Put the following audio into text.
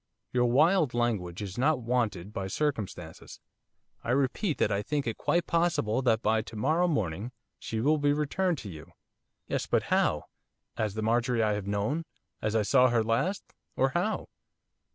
Your wild language is not warranted by circumstances. I repeat that I think it quite possible that by to morrow morning she will be returned to you.' 'Yes, but how? as the Marjorie I have known, as I saw her last, or how?